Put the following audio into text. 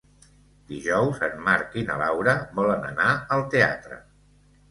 Dijous en Marc i na Laura volen anar al teatre.